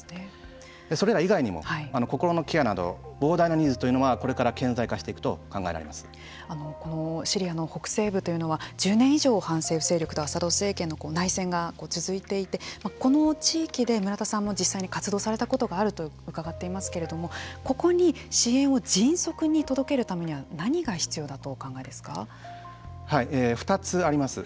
それら以外にも心のケアなど膨大なニーズというのがこれから顕在化していくとこのシリアの北西部というのは１０年以上、反政府勢力とアサド政権の内戦が続いていてこの地域で村田さんも実際に活動されたことがあると伺っていますけれどもここに支援を迅速に届けるためには２つあります。